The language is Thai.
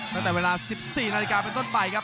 ตั้งแต่เวลา๑๔นาฬิกาเป็นต้นไปครับ